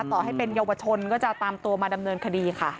ต่อให้เป็นเยาวชนก็จะตามตัวมาดำเนินคดีค่ะ